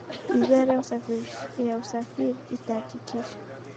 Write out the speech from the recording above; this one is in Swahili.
wizara ya usafiri itahakikisha